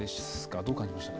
どう感じましたか？